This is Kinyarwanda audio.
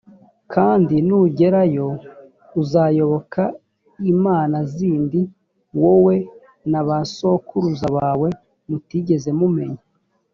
kandi nugerayo, uzayoboka imana zindi wowe n’abasokuruza bawe mutigeze mumenya: